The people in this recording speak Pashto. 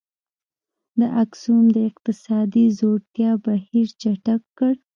د اکسوم د اقتصادي ځوړتیا بهیر چټک کړ.